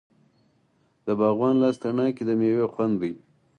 د باغوان لاس تڼاکې د میوې خوند دی.